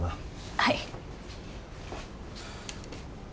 はい。